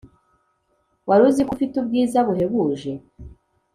waruziko ufite ubwiza buhebuje.